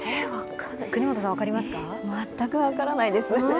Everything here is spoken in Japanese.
全く分からないです。